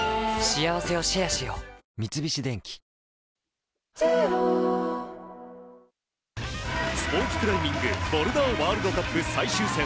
三菱電機スポーツクライミングボルダーワールドカップ最終戦。